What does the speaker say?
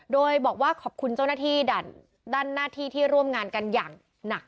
โดยบอกว่าขอบคุณเจ้าหน้าที่ด้านหน้าที่ที่ร่วมงานกันอย่างหนัก